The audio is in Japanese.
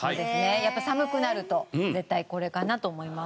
やっぱり寒くなると絶対これかなと思います。